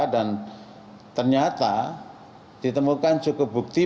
dan ternyata ditemukan cukup bukti